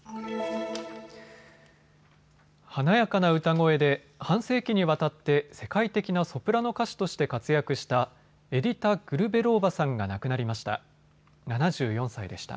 華やかな歌声で半世紀にわたって世界的なソプラノ歌手として活躍したエディタ・グルベローバさんが亡くなりました。